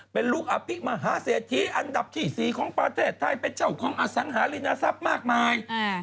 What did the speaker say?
เป็นลูกอภิมหาเศรษฐีอันดับที่๔ของประเทศไทยเป็นเจ้าของอสังหารินทรัพย์มากมาย